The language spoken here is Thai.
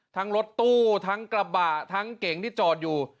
รถตู้ทั้งกระบะทั้งเก่งที่จอดอยู่